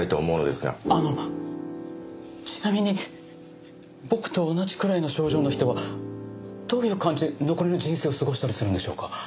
あのちなみに僕と同じくらいの症状の人はどういう感じで残りの人生を過ごしたりするんでしょうか？